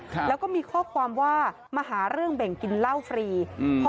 ครับแล้วก็มีข้อความว่ามาหาเรื่องเบ่งกินเหล้าฟรีอืม